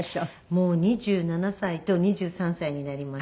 もう２７歳と２３歳になりました。